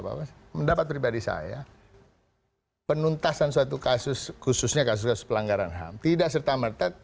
bahwa pendapat pribadi saya penuntasan suatu kasus khususnya kasus kasus pelanggaran ham tidak serta merta